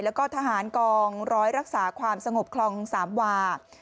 แล้วก็ทหารกองร้อยรักษาความสงบคลองสามวา